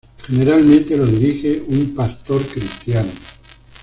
Generalmente lo dirige un pastor cristiano.